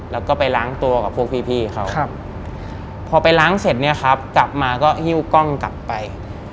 แล้วก็ไปล้างตัวกับพวกพี่เขาพอไปล้างเสร็จเนี่ยครับกลับมาก็หิ้วกล้องกลับไป